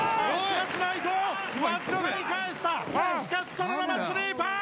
しかしそのままスリーパー！